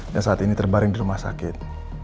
dan saat ini terbaring di rumah sakit